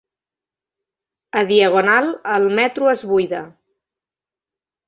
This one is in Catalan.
A Diagonal el metro es buida.